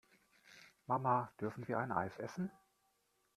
Mama, dürfen wir ein Eis essen?